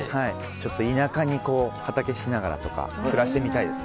ちょっと田舎に畑しながらとか暮らしてみたいですね。